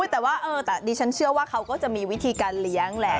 แต่ว่าแต่ดิฉันเชื่อว่าเขาก็จะมีวิธีการเลี้ยงแหละ